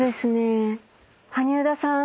羽生田さん